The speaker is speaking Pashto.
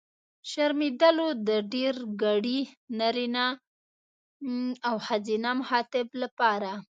شرمېدلو! د ډېرګړي نرينه او ښځينه مخاطب لپاره.